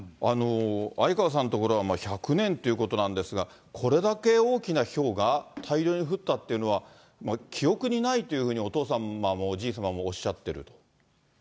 相川さんの所は１００年ということなんですが、これだけ大きなひょうが大量に降ったっていうのは、記憶にないというふうに、お父様もおじい様もおっしゃってる？